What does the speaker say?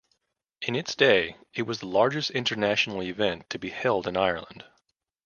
In its day, it was the largest international event to be held in Ireland.